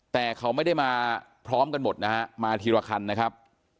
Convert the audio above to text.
แต่เขาไม่ได้มาพร้อมกันหมดนะฮะมาทีละคันนะครับ